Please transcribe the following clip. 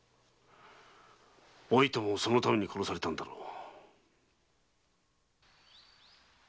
お糸もそのために殺されたんだろう。